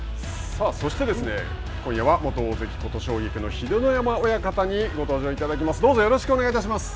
さあ、そしてですね、今夜は元大関・琴奨菊の秀ノ山親方にご登場いただきます。